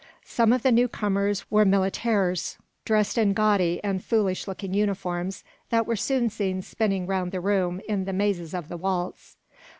Some of the new comers were militaires, dressed in gaudy and foolish looking uniforms that were soon seen spinning round the room in the mazes of the waltz.